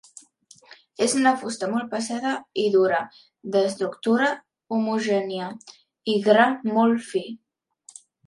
És una fusta molt pesada i dura, d'estructura homogènia i gra molt fi.